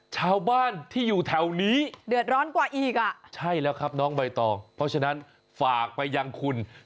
ชาวบ้านที่อยู่แถวนี้เดือดร้อนกว่าอีก